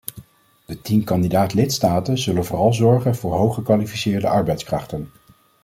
De tien kandidaat-lidstaten zullen vooral zorgen voor hooggekwalificeerde arbeidskrachten.